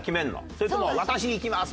それとも私行きます！